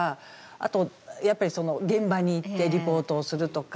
あとやっぱり現場に行ってリポートをするとか。